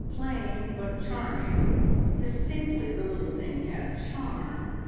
Plain, but charming; distinctly the little thing had charm!